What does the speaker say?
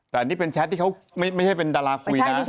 แต่นี่เป็นแชทที่เขาไม่ใช่เป็นดาราคุยนะ